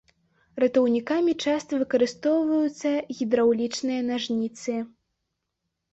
Ратаўнікамі часта выкарыстоўваюцца гідраўлічныя нажніцы.